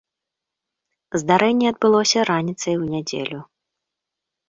Здарэнне адбылося раніцай у нядзелю.